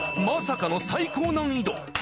まさかの最高難易度。